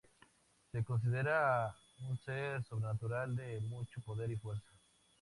Se considera un ser sobrenatural de mucho poder y fuerza.